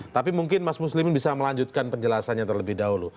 tapi mungkin mas muslimin bisa melanjutkan penjelasannya terlebih dahulu